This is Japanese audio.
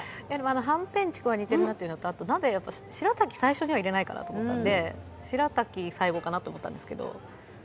はんぺん、ちくわが似ているなというのとあと鍋はやっぱり白滝は最初には入れないかなと思ったので白滝、最後かなと思ったんですけど。